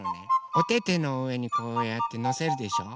おててのうえにこうやってのせるでしょ。